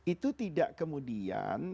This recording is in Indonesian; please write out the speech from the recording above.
itu tidak kemudian